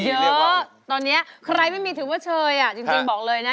เดี๋ยวตอนนี้ใครไม่มีถึงมือเชยจริงบอกเลยนะ